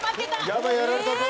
やばい。やられたぞ。